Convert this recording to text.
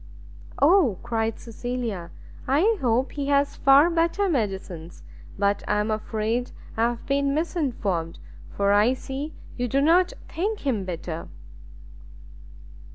"O," cried Cecilia, "I hope he has far better medicines: but I am afraid I have been misinformed, for I see you do not think him better."